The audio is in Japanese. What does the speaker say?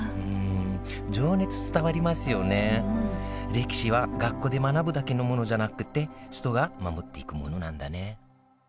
歴史は学校で学ぶだけのものじゃなくて人が守っていくものなんだね